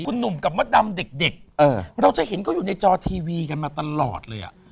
คุณหนุ่มกับมดดำเด็กเราจะเห็นเขาอยู่ในจอทีวีกันมาตลอดเลยอ่ะ